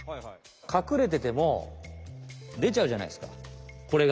かくれてても出ちゃうじゃないですかこれが。